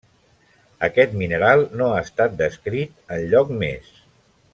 Aquest mineral no ha estat descrit enlloc més.